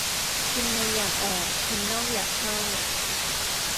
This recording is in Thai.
คนในอยากออก คนนอกอยากเข้า